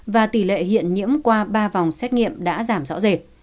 và tỷ lệ hiện nhiễm qua ba vòng xét nghiệm đã giảm rõ rệt